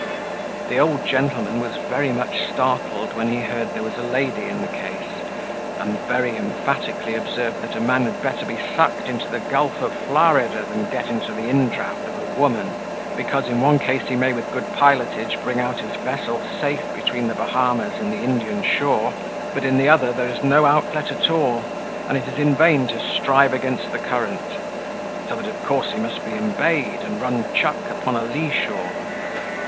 The old gentleman was very much startled when he heard there was a lady in the case, and very emphatically observed, that a man had better be sucked into the gulf of Florida than once get into the indraught of a woman; because, in one case, he may with good pilotage bring out his vessel safe between the Bahamas and the Indian shore; but in the other there is no outlet at all, and it is in vain to strive against the current; so that of course he must be embayed, and run chuck upon a lee shore.